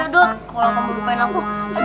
jangan lupain aku juga ya